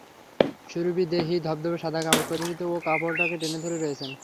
সুরভিতদেহী, ধবধবে সাদা কাপড় পরিহিত ও কাপড়কে টেনে ধরে রয়েছেন।